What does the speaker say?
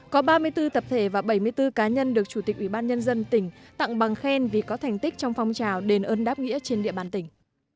có ba mươi bốn tập thể và bảy mươi bốn cá nhân được chủ tịch ủy ban nhân dân tỉnh tặng bằng khen vì có thành tích trong phong trào đền ơn đáp nghĩa trên địa bàn tỉnh